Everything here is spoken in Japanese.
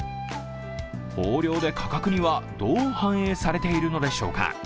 豊漁で価格にはどう反映されているのでしょうか。